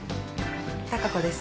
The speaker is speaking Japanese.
貴子です。